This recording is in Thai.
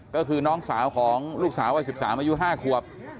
ก็คือน้องสาวของลูกสาวอายุสิบสามอายุห้าขวบ